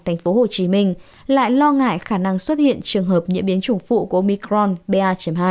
tp hcm lại lo ngại khả năng xuất hiện trường hợp nhiễm biến chủng phụ của omicron ba hai